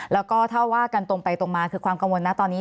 แล้วก็ถ้าว่ากันตรงไปตรงมาคือความกังวลนะตอนนี้